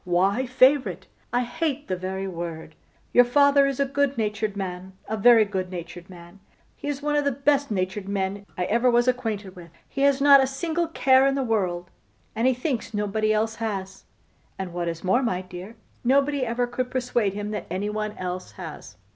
Why favourite? I hate the very word. Your father is a good natured man, a very good natured man: he is one of the best natured men I ever was acquainted with. He has not a single care in the world, and he thinks nobody else has; and what is more, my dear, nobody ever could persuade him that anybody else has.